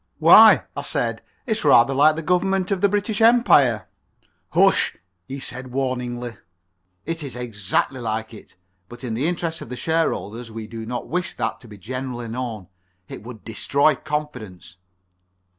"Why," I said, "it's rather like the Government of the British Empire." "Hush!" he said, warningly. "It is exactly like it, but in the interests of the shareholders we do not wish that to be generally known. It would destroy confidence."